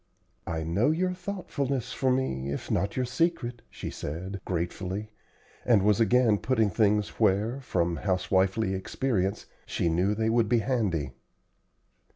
"I know your thoughtfulness for me, if not your secret," she said, gratefully, and was again putting things where, from housewifely experience, she knew they would be handy.